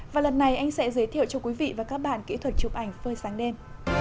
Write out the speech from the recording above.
và lần này anh sẽ giới thiệu cho quý vị và các bạn kỹ thuật chụp ảnh phơi sáng đêm